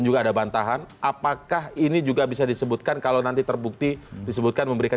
juga ada bantahan apakah ini juga bisa disebutkan kalau nanti terbukti disebutkan memberikan